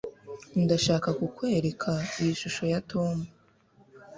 ndashaka kukwereka iyi shusho ya tom